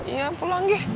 ya pulang deh